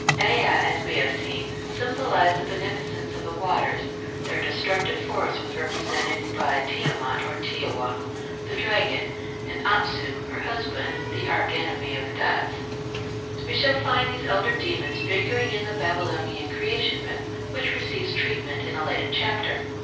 Ea, as we have seen, symbolized the beneficence of the waters; their destructive force was represented by Tiamat or Tiawath, the dragon, and Apsu, her husband, the arch enemy of the gods. We shall find these elder demons figuring in the Babylonian Creation myth, which receives treatment in a later chapter.